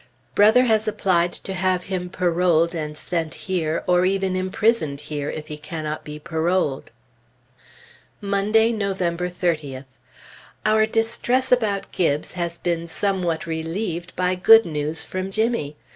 Brother has applied to have him paroled and sent here, or even imprisoned here, if he cannot be paroled. Monday, November 30th. Our distress about Gibbes has been somewhat relieved by good news from Jimmy.